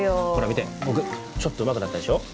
見て僕ちょっとうまくなったでしょ？